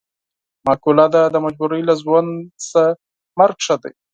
معقوله ده: د مجبورۍ له ژوند نه مرګ ښه دی.